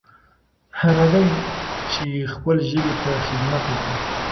راځئ چې خپلې ژبې ته خدمت وکړو.